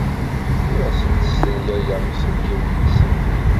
Ur asent-stenyayeɣ iselkinen-nsent.